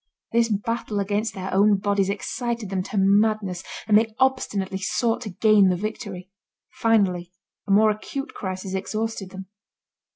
This battle against their own bodies excited them to madness, and they obstinately sought to gain the victory. Finally, a more acute crisis exhausted them.